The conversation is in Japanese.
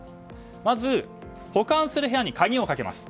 まず、保管する部屋に鍵をかけます。